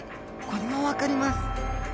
これもわかります。